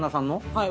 はい。